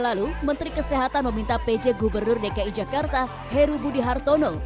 lalu menteri kesehatan meminta pj gubernur dki jakarta heru budi hartono